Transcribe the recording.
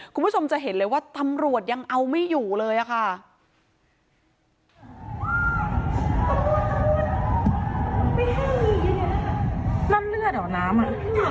คุณผู้ชมจะเห็นเลยว่าตำรวจยังเอาไม่อยู่เลยอะค่ะ